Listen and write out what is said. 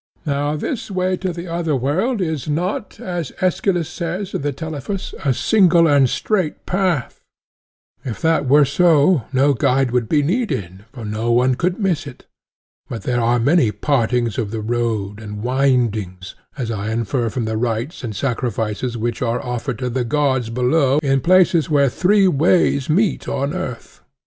Now this way to the other world is not, as Aeschylus says in the Telephus, a single and straight path—if that were so no guide would be needed, for no one could miss it; but there are many partings of the road, and windings, as I infer from the rites and sacrifices which are offered to the gods below in places where three ways meet on earth.